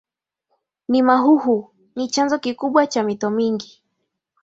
nimahuhu ni chanzo kikubwa cha mito mingi